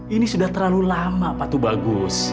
ini sudah terlalu lama pak tuh bagus